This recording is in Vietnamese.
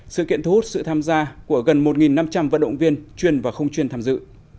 sự kiện thu hút sự tham gia của gần một năm trăm linh vận động viên chuyên và không chuyên tham dự